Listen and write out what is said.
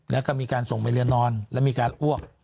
แล้วก็มีการส่งไปเรือนนอนแล้วมีการอ้วก